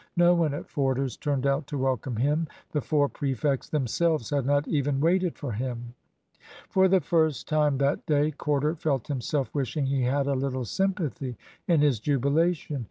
No one at Forder's turned out to welcome him. The four prefects themselves had not even waited for him. For the first time that day Corder felt himself wishing he had a little sympathy in his jubilation.